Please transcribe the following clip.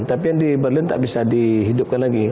tapi yang di berlin tak bisa dihidupkan lagi